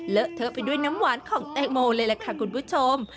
เทอะไปด้วยน้ำหวานของแตงโมเลยล่ะค่ะคุณผู้ชม